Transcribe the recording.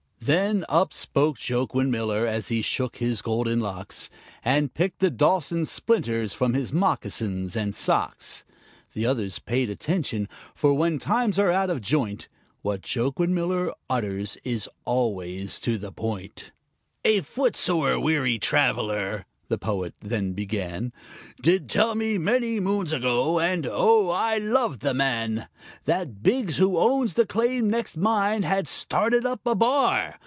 Then up spoke Joaquin Miller, as he shook his golden locks, And picked the Dawson splinters from his moccasins and socks (The others paid attention, for when times are out of joint What Joaquin Miller utters is always to the point): "A foot sore, weary traveler," the Poet then began, "Did tell me many moons ago, and oh! I loved the man, That Biggs who owns the claim next mine had started up a bar.